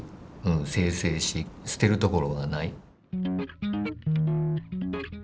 精製し捨てるところがない。